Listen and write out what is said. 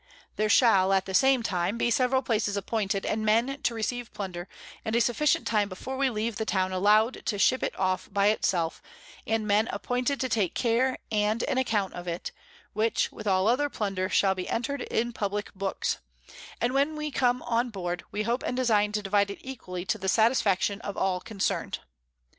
There shall at the same time be several Places appointed, and Men to receive Plunder, and a sufficient time before we leave the Town allow'd to ship it off by it self, and Men appointed to take care and an account of it; which, with all other Plunder, shall be enter'd in publick Books: and when we come on board, we hope and design to divide it equally, to the Satisfaction of all concern'd.